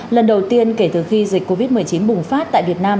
lần đầu tiên kể từ khi dịch covid một mươi chín bùng phát tại việt nam